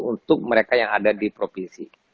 untuk mereka yang ada di provinsi